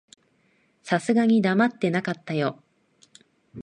さすがに黙ってなかったよ。